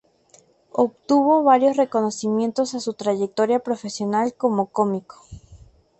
Obtuvo varios reconocimientos a su trayectoria profesional como cómico.